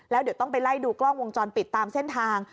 แล้วเดี๋ยวต้องไปไล่ดูกล้องวงจรปิดตามเส้นทาง